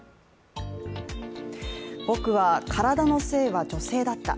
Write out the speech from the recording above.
僕は体の性は女性だった。